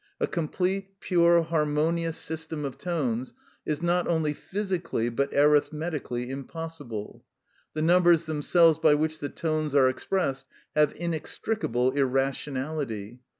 A complete, pure, harmonious system of tones is not only physically but arithmetically impossible. The numbers themselves by which the tones are expressed have inextricable irrationality.